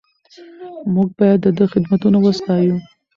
موږ باید د ده خدمتونه وستایو.